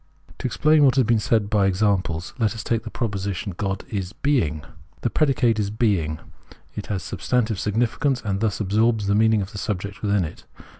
To explain what has been said by examples let us take the proposition God is Being. The predicate is " being ": it has siibstantive significance, and thus absorbs the meaning of the subject within it.